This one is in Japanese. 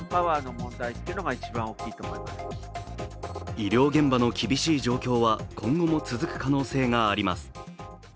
医療現場の厳しい状況は今後も続く可能性があります。